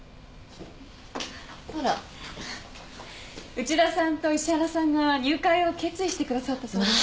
内田さんと石原さんが入会を決意してくださったそうです。